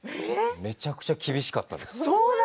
めちゃくちゃ厳しかったです。